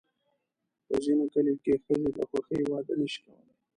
په ځینو کلیو کې ښځې د خوښې واده نه شي کولی.